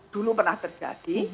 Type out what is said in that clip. dulu pernah terjadi